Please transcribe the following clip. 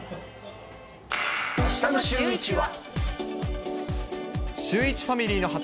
あしたのシューイチは。